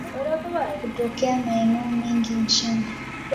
Hutokea maeneo mengi nchini